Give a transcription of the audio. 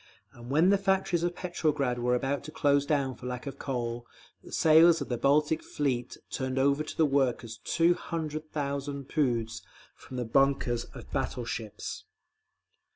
And when the factories of Petrograd were about to close down for lack of coal, the sailors of the Baltic Fleet turned over to the workers two hundred thousand poods from the bunkers of battle ships….